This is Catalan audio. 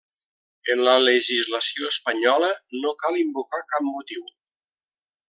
En la legislació espanyola no cal invocar cap motiu.